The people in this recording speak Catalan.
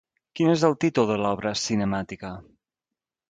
Quin és el títol de l'obra cinemàtica?